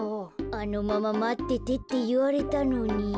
あのまままっててっていわれたのに。